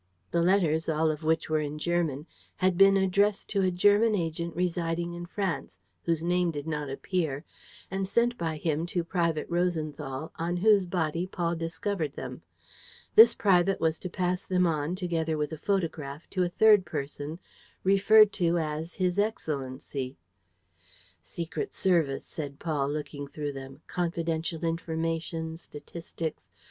The letters, all of which were in German, had been addressed to a German agent residing in France, whose name did not appear, and sent by him to Private Rosenthal, on whose body Paul discovered them. This private was to pass them on, together with a photograph, to a third person, referred to as his excellency. "Secret Service," said Paul, looking through them. "Confidential information. ... Statistics.